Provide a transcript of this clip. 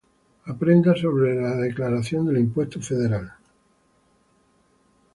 Aprenda sobre la declaración del impuesto federal